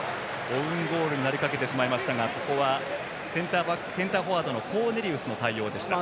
オウンゴールになりかけてしまいましたがここはセンターフォワードのコーネリウスの対応でした。